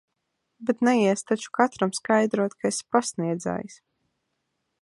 Bet neiesi taču katram skaidrot, ka esi pasniedzējs.